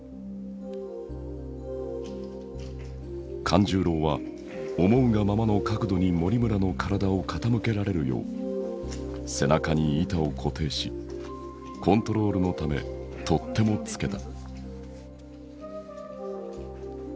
勘十郎は思うがままの角度に森村の体を傾けられるよう背中に板を固定しコントロールのため取っ手も付けた。